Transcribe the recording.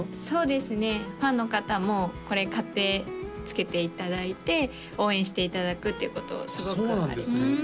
そうですねファンの方もこれ買ってつけていただいて応援していただくっていうそうなんですね